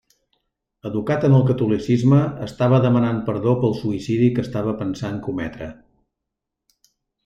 Educat en el Catolicisme, estava demanant perdó pel suïcidi que estava pensant cometre.